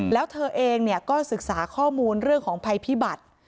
แล้วเธอเองก็ศึกษาข้อมูลเรื่องของภัยพิบัติ